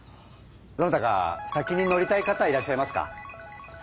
どなたか先に乗りたい方いらっしゃいますか？